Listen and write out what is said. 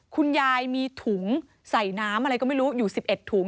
คุณยายมีถุงใส่น้ำอะไรก็ไม่รู้อยู่๑๑ถุง